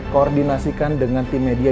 koordinasikan dengan tim media